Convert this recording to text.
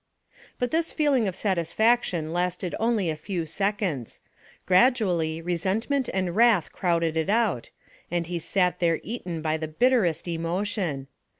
But this feeling of satisfaction lasted only a few seconds; gradually resentment and wrath crowded it out, and he sat there eaten by the bitterest emotion.